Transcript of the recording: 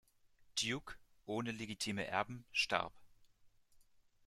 Duke, ohne legitime Erben starb.